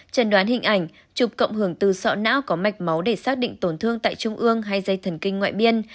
trần đoán hình ảnh chụp cộng hưởng từ sọ não có mạch máu để xác định tổn thương tại trung ương hay dây thần kinh ngoại biên